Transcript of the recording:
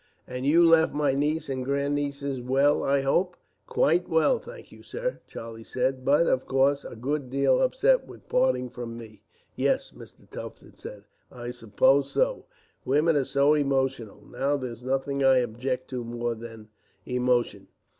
"And you left my niece and grandnieces well, I hope?" "Quite well, thank you, sir," Charlie said; "but, of course, a good deal upset with parting from me." "Yes," Mr. Tufton said; "I suppose so. Women are so emotional. Now there's nothing I object to more than emotion."